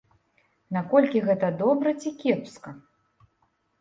Наколькі гэта добра ці кепска?